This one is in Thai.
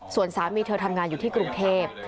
ส่วนสามีเธอทำงานอยู่ที่กรุงเทพ